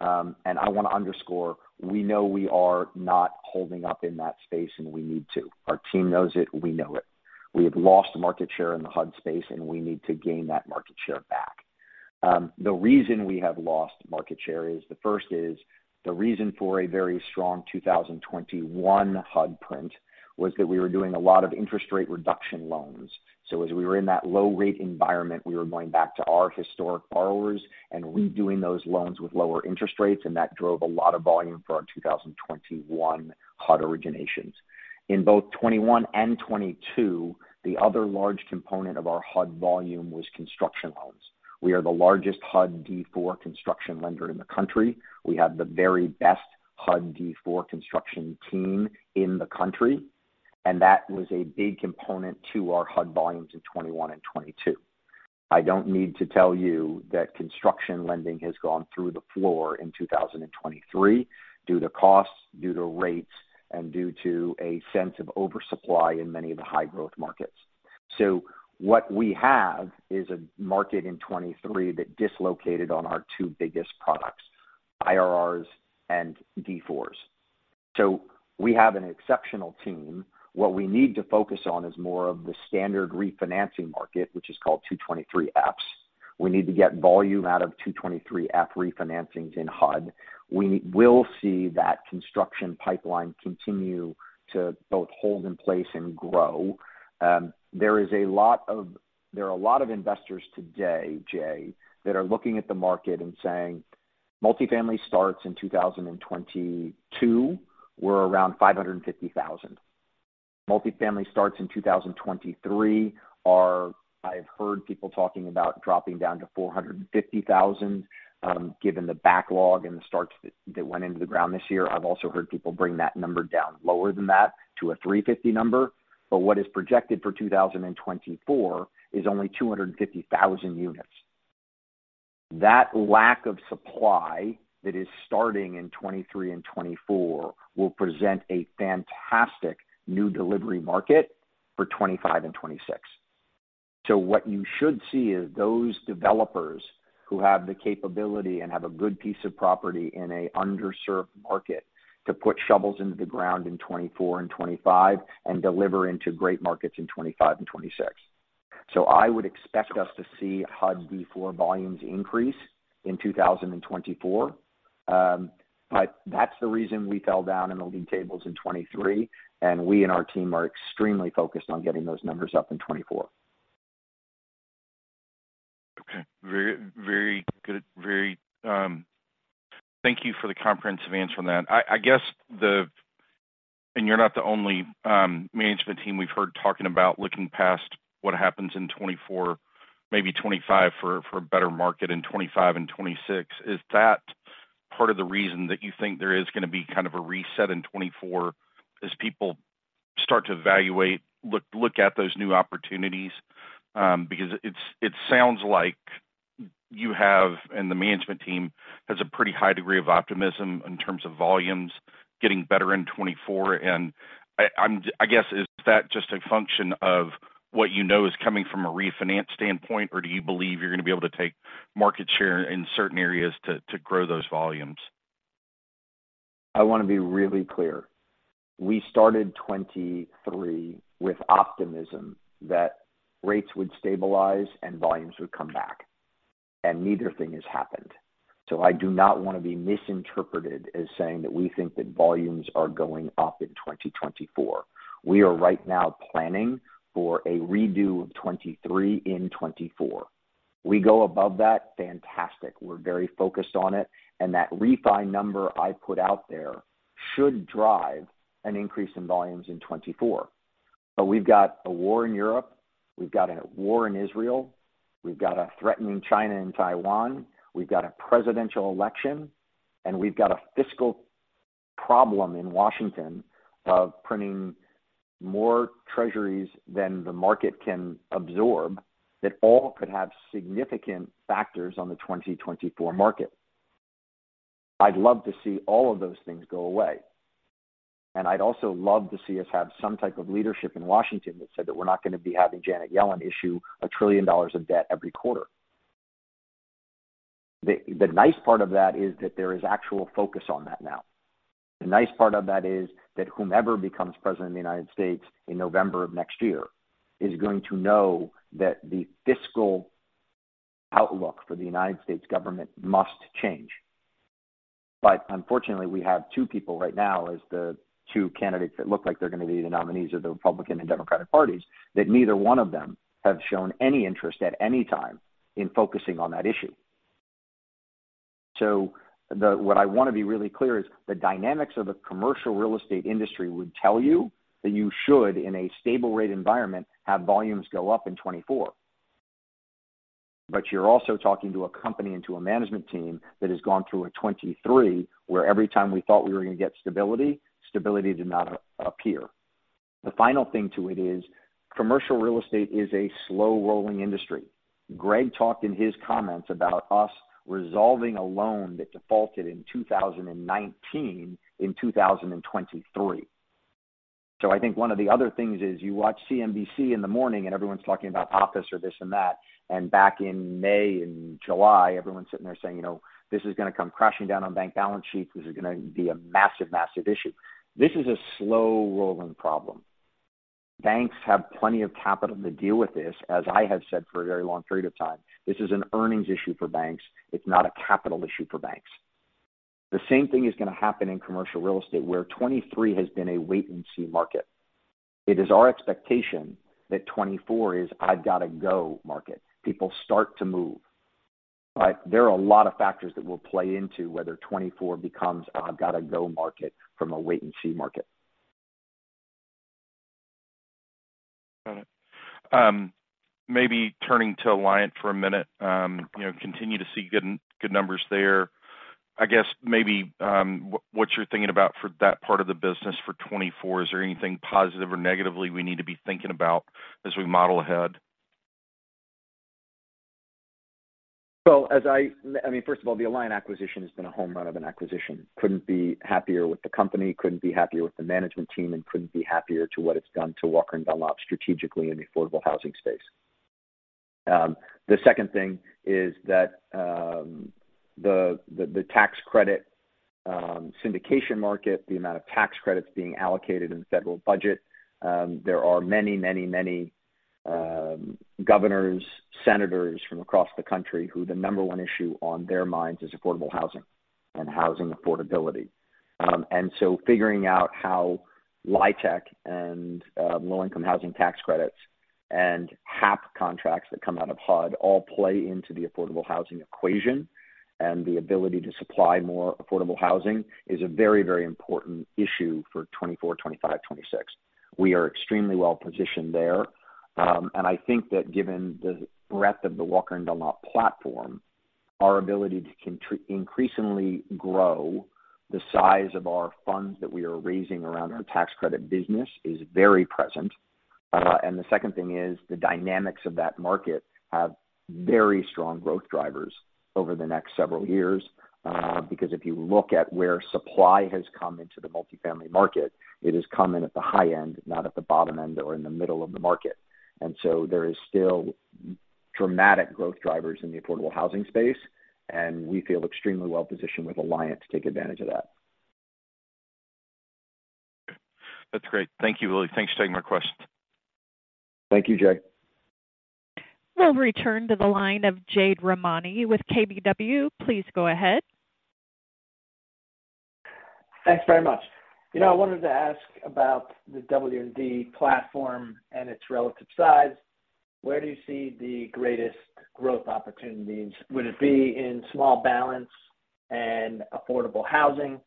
And I want to underscore, we know we are not holding up in that space, and we need to. Our team knows it; we know it. We have lost market share in the HUD space, and we need to gain that market share back. The reason we have lost market share is, the first is, the reason for a very strong 2021 HUD print was that we were doing a lot of interest rate reduction loans. So as we were in that low rate environment, we were going back to our historic borrowers and redoing those loans with lower interest rates, and that drove a lot of volume for our 2021 HUD originations. In both 2021 and 2022, the other large component of our HUD volume was construction loans. We are the largest HUD D4 construction lender in the country. We have the very best HUD D4 construction team in the country.... That was a big component to our HUD volumes in 2021 and 2022. I don't need to tell you that construction lending has gone through the floor in 2023 due to costs, due to rates, and due to a sense of oversupply in many of the high-growth markets. So what we have is a market in 2023 that dislocated on our two biggest products, IRRs and D4s. So we have an exceptional team. What we need to focus on is more of the standard refinancing market, which is called 223(a)(7). We need to get volume out of 223(a)(7) refinancings in HUD. We will see that construction pipeline continue to both hold in place and grow. There are a lot of investors today, Jay, that are looking at the market and saying, multifamily starts in 2022 were around 550,000. Multifamily starts in 2023 are... I've heard people talking about dropping down to 450,000, given the backlog and the starts that went into the ground this year. I've also heard people bring that number down lower than that, to a 350 number. But what is projected for 2024 is only 250,000 units. That lack of supply that is starting in 2023 and 2024 will present a fantastic new delivery market for 2025 and 2026. So what you should see is those developers who have the capability and have a good piece of property in an underserved market, to put shovels into the ground in 2024 and 2025 and deliver into great markets in 2025 and 2026. So I would expect us to see HUD D4 volumes increase in 2024. But that's the reason we fell down in the league tables in 2023, and we and our team are extremely focused on getting those numbers up in 2024. Okay. Very, very good. Very... Thank you for the comprehensive answer on that. I guess—and you're not the only management team we've heard talking about looking past what happens in 2024, maybe 2025, for a better market in 2025 and 2026. Is that part of the reason that you think there is going to be kind of a reset in 2024, as people start to evaluate, look at those new opportunities? Because it sounds like you have, and the management team has, a pretty high degree of optimism in terms of volumes getting better in 2024. And I guess, is that just a function of what you know is coming from a refinance standpoint, or do you believe you're going to be able to take market share in certain areas to grow those volumes? I want to be really clear. We started 2023 with optimism that rates would stabilize and volumes would come back, and neither thing has happened. So I do not want to be misinterpreted as saying that we think that volumes are going up in 2024. We are right now planning for a redo of 2023 in 2024. We go above that, fantastic. We're very focused on it, and that refi number I put out there should drive an increase in volumes in 2024. But we've got a war in Europe, we've got a war in Israel, we've got a threatening China and Taiwan, we've got a presidential election, and we've got a fiscal problem in Washington of printing more Treasuries than the market can absorb. That all could have significant factors on the 2024 market. I'd love to see all of those things go away, and I'd also love to see us have some type of leadership in Washington that said that we're not going to be having Janet Yellen issue $1 trillion of debt every quarter. The nice part of that is that there is actual focus on that now. The nice part of that is that whomever becomes president of the United States in November of next year is going to know that the fiscal outlook for the United States government must change. But unfortunately, we have two people right now as the two candidates that look like they're going to be the nominees of the Republican and Democratic parties, that neither one of them have shown any interest at any time in focusing on that issue. So the... What I want to be really clear is, the dynamics of the commercial real estate industry would tell you that you should, in a stable rate environment, have volumes go up in 2024. But you're also talking to a company and to a management team that has gone through a 2023, where every time we thought we were going to get stability, stability did not appear. The final thing to it is commercial real estate is a slow-rolling industry. Greg talked in his comments about us resolving a loan that defaulted in 2019, in 2023. So I think one of the other things is, you watch CNBC in the morning and everyone's talking about office or this and that, and back in May and July, everyone's sitting there saying, "You know, this is going to come crashing down on bank balance sheets. This is going to be a massive, massive issue." This is a slow-rolling problem. Banks have plenty of capital to deal with this, as I have said, for a very long period of time. This is an earnings issue for banks. It's not a capital issue for banks. The same thing is going to happen in commercial real estate, where 2023 has been a wait-and-see market. It is our expectation that 2024 is a I've-got-to-go market. People start to move, but there are a lot of factors that will play into whether 2024 becomes a I've-got-to-go market from a wait-and-see market.... Got it. Maybe turning to Alliant for a minute. You know, continue to see good, good numbers there. I guess maybe what you're thinking about for that part of the business for 2024. Is there anything positive or negatively we need to be thinking about as we model ahead? I mean, first of all, the Alliant acquisition has been a home run of an acquisition. Couldn't be happier with the company, couldn't be happier with the management team, and couldn't be happier to what it's done to Walker & Dunlop strategically in the affordable housing space. The second thing is that the tax credit syndication market, the amount of tax credits being allocated in the federal budget, there are many, many, many governors, senators from across the country who the number one issue on their minds is affordable housing and housing affordability. And so figuring out how LIHTC and low-income housing tax credits and HAP contracts that come out of HUD all play into the affordable housing equation, and the ability to supply more affordable housing, is a very, very important issue for 2024, 2025, 2026. We are extremely well positioned there. And I think that given the breadth of the Walker & Dunlop platform, our ability to increasingly grow the size of our funds that we are raising around our tax credit business is very present. And the second thing is the dynamics of that market have very strong growth drivers over the next several years. Because if you look at where supply has come into the multifamily market, it has come in at the high end, not at the bottom end or in the middle of the market. And so there is still dramatic growth drivers in the affordable housing space, and we feel extremely well positioned with Alliant to take advantage of that. That's great. Thank you, Willy. Thanks for taking my questions. Thank you, Jay. We'll return to the line of Jade Rahmani with KBW. Please go ahead. Thanks very much. You know, I wanted to ask about the W&D platform and its relative size. Where do you see the greatest growth opportunities? Would it be in small balance and affordable housing?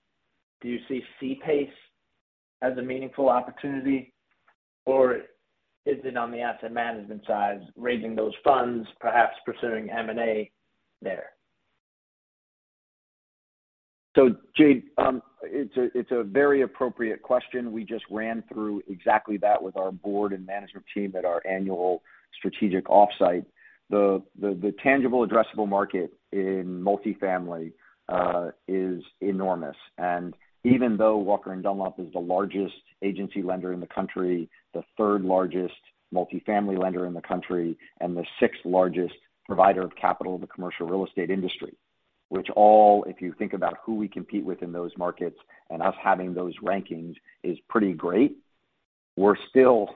Do you see C-PACE as a meaningful opportunity, or is it on the asset management side, raising those funds, perhaps pursuing M&A there? So, Jade, it's a very appropriate question. We just ran through exactly that with our board and management team at our annual strategic offsite. The tangible addressable market in multifamily is enormous, and even though Walker & Dunlop is the largest agency lender in the country, the third largest multifamily lender in the country, and the sixth largest provider of capital in the commercial real estate industry, which all, if you think about who we compete with in those markets and us having those rankings, is pretty great. We're still,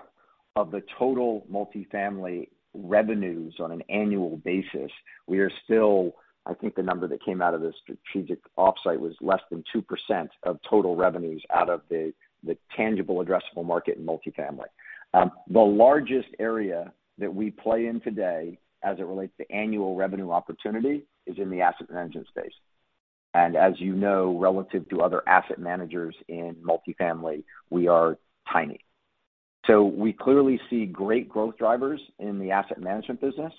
of the total multifamily revenues on an annual basis, we are still, I think the number that came out of the strategic offsite was less than 2% of total revenues out of the tangible addressable market in multifamily. The largest area that we play in today, as it relates to annual revenue opportunity, is in the asset management space. And as you know, relative to other asset managers in multifamily, we are tiny. So we clearly see great growth drivers in the asset management business.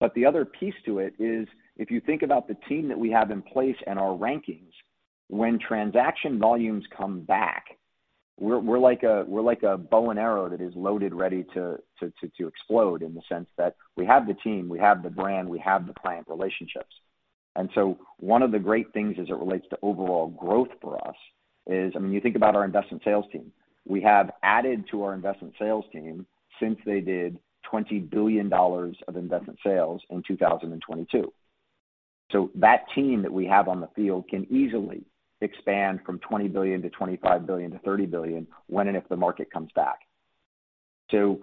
But the other piece to it is, if you think about the team that we have in place and our rankings, when transaction volumes come back, we're like a bow and arrow that is loaded, ready to explode, in the sense that we have the team, we have the brand, we have the client relationships. And so one of the great things as it relates to overall growth for us is... I mean, you think about our investment sales team. We have added to our investment sales team since they did $20 billion of investment sales in 2022. So that team that we have on the field can easily expand from $20 billion to $25 billion to $30 billion when and if the market comes back. So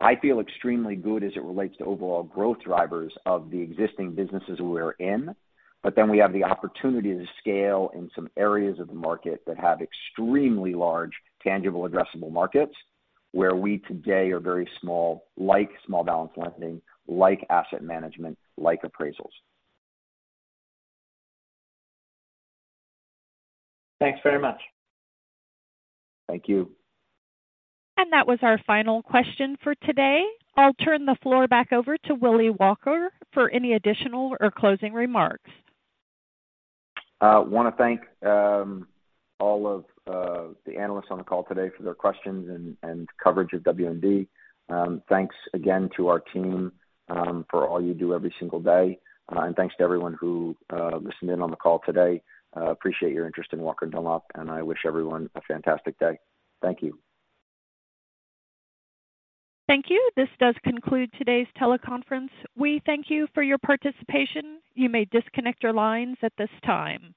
I feel extremely good as it relates to overall growth drivers of the existing businesses we're in, but then we have the opportunity to scale in some areas of the market that have extremely large, tangible, addressable markets, where we today are very small, like small balance lending, like asset management, like appraisals. Thanks very much. Thank you. That was our final question for today. I'll turn the floor back over to Willy Walker for any additional or closing remarks. Want to thank all of the analysts on the call today for their questions and coverage of W&D. Thanks again to our team for all you do every single day. And thanks to everyone who listened in on the call today. Appreciate your interest in Walker & Dunlop, and I wish everyone a fantastic day. Thank you. Thank you. This does conclude today's teleconference. We thank you for your participation. You may disconnect your lines at this time.